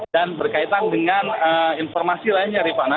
dan berkaitan dengan informasi lainnya ripana